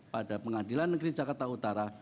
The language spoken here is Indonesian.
pada pengadilan negeri jakarta utara